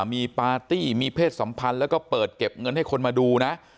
มีปาร์ตี้มีเพศสัมพันธ์แล้วก็เปิดเก็บเงินให้คนมาดูนะ